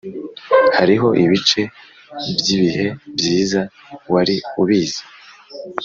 hariho ibice byibihe byiza wari ubizi,